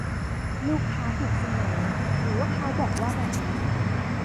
ลูกค้าถูกเสมอ หรือว่าเขาบอกว่าแบบนั้น